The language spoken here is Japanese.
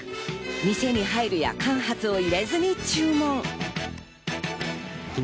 店に入るや、間髪を入れずに注文。